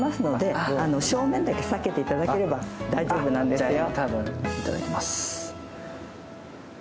正面だけ避けていただければ大丈夫なんですよ。